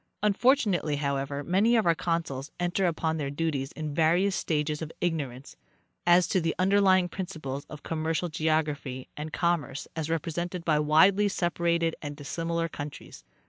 Unfortunately, however, many of our consuls enter upon their duties in various stages of igno rance as to the underlying principles of commercial geography and commerce as represented by widely separated and dissimilar countries.